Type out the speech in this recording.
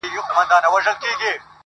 • لکه ول ستوري داسمان داسي راڼه ملګري..